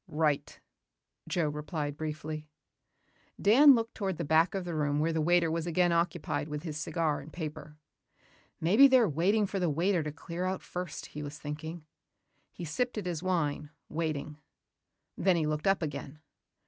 "Right," Joe replied briefly. Dan looked toward the back of the room where the waiter was again occupied with his cigar and paper. Maybe they're waiting for the waiter to clear out first, he was thinking. He sipped at his wine, waiting.... Then he looked up again.